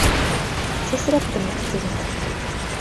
Сәсрәп кенә китегеҙ!